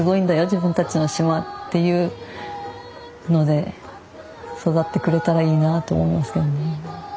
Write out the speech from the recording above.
自分たちの島っていうので育ってくれたらいいなと思いますけどね。